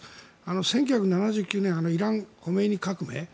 １９７９年のイラン・ホメイニ革命。